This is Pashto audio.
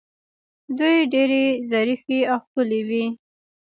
دوی ډیرې ظریفې او ښکلې وې